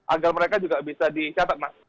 agar mereka juga bisa dicatat mas